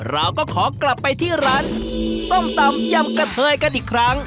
เราก็ขอกลับไปที่ร้านส้มตำยำกระเทยกันอีกครั้ง